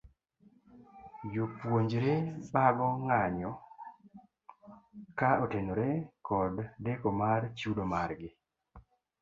Jopuonjre bago ng'anyo ka otenore kod deko mar chudo mar gi.